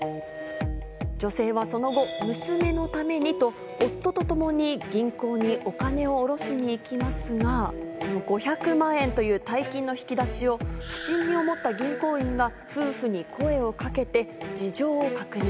女性はその後娘のためにと夫と共に銀行にお金を下ろしに行きますが５００万円という大金の引き出しを不審に思った銀行員が夫婦に声をかけて事情を確認。